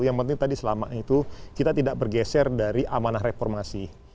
yang penting tadi selama itu kita tidak bergeser dari amanah reformasi